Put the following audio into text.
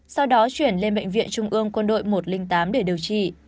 sau đó chuyển lên bệnh viện trung ương quân đội một trăm linh tám để điều trị